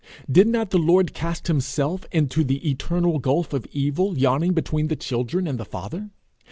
Did not the Lord cast himself into the eternal gulf of evil yawning between the children and the Father?